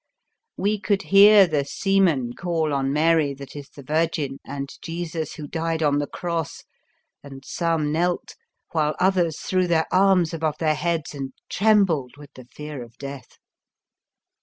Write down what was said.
We could hear the seamen call on Mary that is the Virgin and Jesus who died on the Cross, and some knelt, while others threw their arms above their heads and trembled with the fear of death.